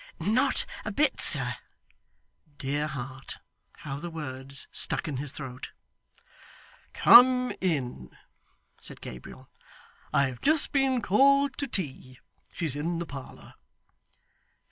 'Not a bit, sir.' Dear heart, how the words stuck in his throat! 'Come in,' said Gabriel. 'I have just been called to tea. She's in the parlour.